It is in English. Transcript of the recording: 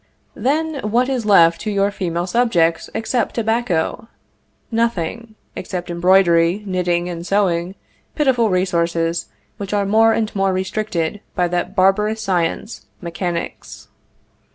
Then what is left to your female subjects except tobacco? Nothing, except embroidery, knitting, and sewing, pitiful resources, which are more and more restricted by that barbarous science, mechanics.